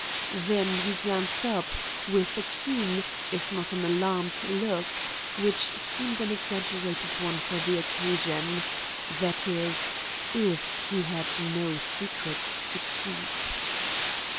Then he glanced up, with a keen, if not an alarmed look, which seemed an exaggerated one for the occasion,—that is, if he had no secret to keep.